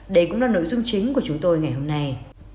đây cũng là nội dung chính của chúng tôi ngày hôm nay